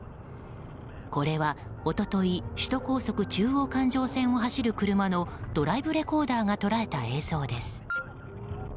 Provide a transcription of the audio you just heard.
これは一昨日首都高速中央環状線を走る車のドライブレコーダーが捉えた映像です。